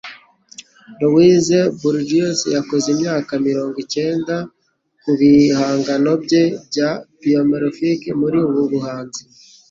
Louise Bourgeois yakoze imyaka mirongo icyenda ku bihangano bye bya biomorphic muri ubu buhanzi